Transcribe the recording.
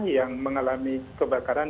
yang mengalami kebakaran